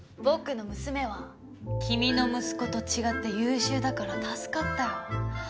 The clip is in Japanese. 僕の娘は君の息子と違って優秀だから助かったよ。